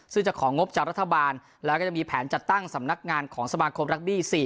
ซึ่งจะของงบจากรัฐบาลแล้วก็จะมีแผนจัดตั้งสำนักงานของสมาคมรักบี้๔